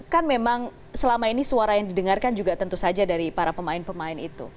kan memang selama ini suara yang didengarkan juga tentu saja dari para pemain pemain itu